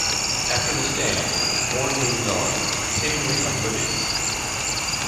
After the scan, Horn moves on, seemingly oblivious.